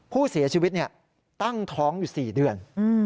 ผู้เสียชีวิตตั้งท้องอยู่๔เดือน